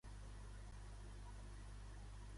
Hem de pensar que Déu és justicier.